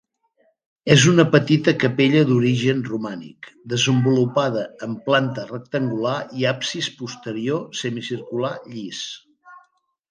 És una petita capella d'origen romànic desenvolupada en planta rectangular i absis posterior semicircular llis.